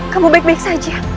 kamu baik baik saja